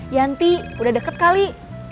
yanti udah deket kali